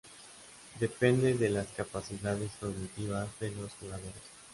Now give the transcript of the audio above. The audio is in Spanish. Depende de las capacidades cognitivas de los jugadores.